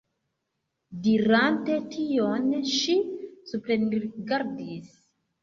Dirante tion, ŝi suprenrigardis.